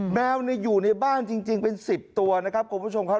แมวอยู่ในบ้านจริงเป็น๑๐ตัวนะครับคุณผู้ชมครับ